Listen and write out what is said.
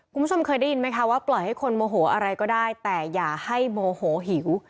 คุณผู้ชมเคยได้ยินไหมคะว่าปล่อยให้คนโมโหอะไรก็ได้แต่อย่าให้โมโหหิว